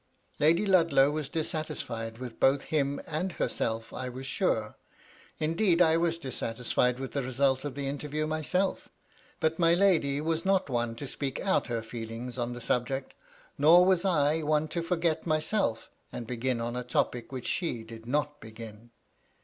Lady Ludlow was dissatisfied with both him and herself, I was sure. Indeed, I was dissatisfied with the result of the interview myself. But my lady was not one to speak out her feehngs on the subject ; nor was I one to forget myself,^ and begin on a topic which she did not begin.